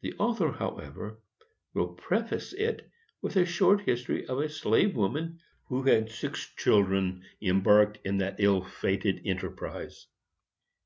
The author, however, will preface it with a short history of a slave woman who had six children embarked in that ill fated enterprise.